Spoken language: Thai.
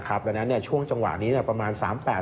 ดังนั้นช่วงจังหวะนี้ประมาณ๓๘